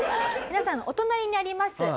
皆さんのお隣にあります